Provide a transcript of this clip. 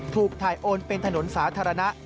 ถูกถ่ายโอนเป็นถนนสาธารณะ